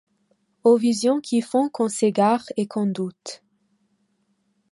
Aux visions qui font qu’on s’égare et qu’on doute.